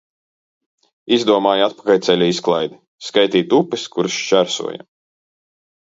Izdomāju atpakaļceļa izklaidi – skaitīt upes, kuras šķērsojam.